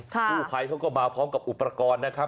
ผู้ภัยเขาก็มาพร้อมกับอุปกรณ์นะครับ